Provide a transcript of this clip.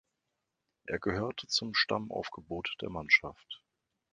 Er gehörte zum Stammaufgebot der Mannschaft.